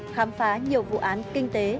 khám phá nhiều vụ án kinh tế